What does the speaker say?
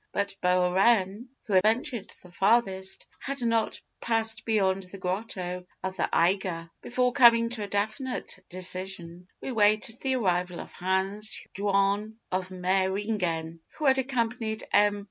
But Bohren, who had ventured the farthest, had not passed beyond the grotto of the Eiger. "Before coming to a definite decision, we waited the arrival of Hans Jaun of Meyringen, who had accompanied M.